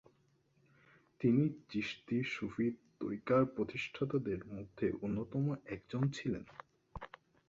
তিনি চিশতি সুফি তরিকার প্রতিষ্ঠাতাদের মধ্যে অন্যতম একজন ছিলেন।